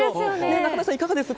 中谷さん、いかがです？